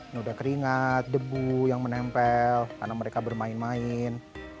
noda keringat debu yang menempel karena mereka bermain main